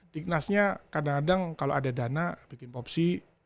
dignasnya kadang kadang kalau ada dana bikin popsi